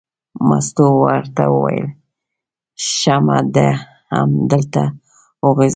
مستو ورته وویل: سمه ده همدلته وغځېږه.